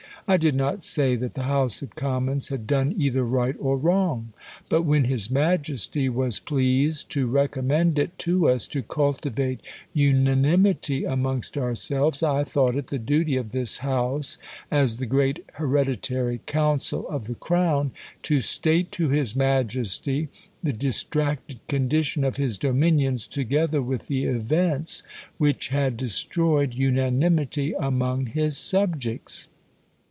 I did not say that the House of Commons had done either right or wrong ; but when his Majesty was pleased to recommend it to us to cultivate unanim ity amongst ourselves, I thought it the duty of this House, as the great hereditary council of the crown, to state to his Majesty the distracted condition of his dominions, together with tho events which had destroy ed unanimity among his subjects.